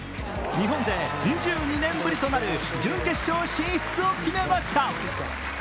日本勢２２年ぶりとなる準決勝進出を決めました。